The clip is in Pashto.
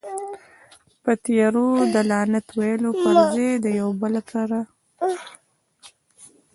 په تيارو ده لعنت ويلو پر ځئ، ډيوه بله کړه.